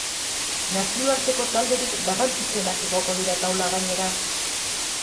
Nazioarteko talderik garrantzitsuenak igoko dira taula gainera.